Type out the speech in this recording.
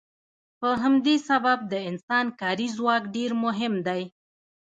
په همدې سبب د انسان کاري ځواک ډیر مهم دی.